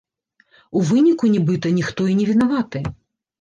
У выніку, нібыта, ніхто і не вінаваты.